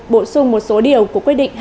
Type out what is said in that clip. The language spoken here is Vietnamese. bổ sung một số điều của quy định